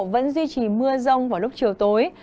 vẫn duy trì mưa rông vào lúc chiều tối